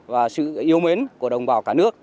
và sự yêu mến của đồng bào cả nước